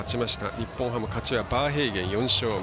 日本ハム勝ちはバーヘイゲン、４勝目。